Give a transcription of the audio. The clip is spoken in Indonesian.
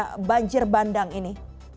ada banjir bandang ini